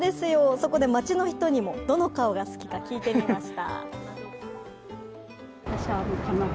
そこで街の人にもどの顔が好きか聞いてみました。